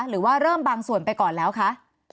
หรือว่าเริ่มบางส่วนไปก่อนแล้วคะ